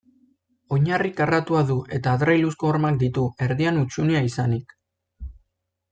Oinarri karratua du eta adreiluzko hormak ditu, erdian hutsunea izanik.